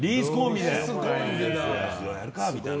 やるかみたいな。